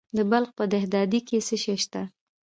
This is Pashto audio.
د بلخ په دهدادي کې څه شی شته؟